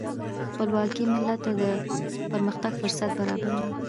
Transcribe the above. خپلواکي ملت ته د پرمختګ فرصت برابروي.